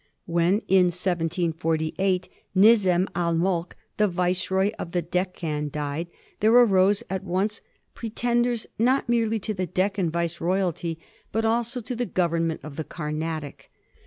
When, in 1748, Nizam Al Mulk, the Viceroy of the Dec can, died, there arose at once pretenders not merely to the Deccan viceroyalty, but also to the government of the Carnatic.